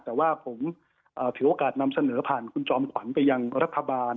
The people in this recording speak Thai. แต่ว่าผมถือโอกาสนำเสนอผ่านคุณจอมขวัญไปยังรัฐบาล